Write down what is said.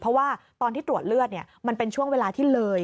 เพราะว่าตอนที่ตรวจเลือดมันเป็นช่วงเวลาที่เลย